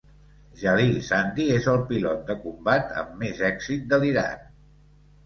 Jalil Zandi és el pilot de combat amb més èxit de l'Iran.